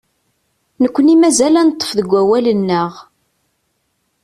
Nekni mazal ad neṭṭef deg awal-nneɣ.